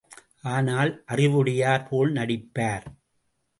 ஆனால், அறிவுடையார் போல நடிப்பார்.